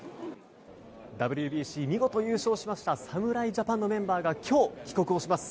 ＷＢＣ見事優勝しました侍ジャパンのメンバーが今日、帰国をします。